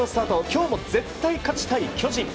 今日も絶対勝ちたい巨人。